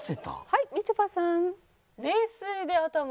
はいみちょぱさん。